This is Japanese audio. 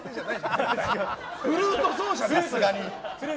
フルート奏者ね。